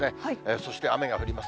そして雨が降ります。